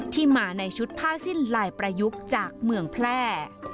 ที่มาในชุดผ้าสิ้นลายประยุกต์จากเมืองแพร่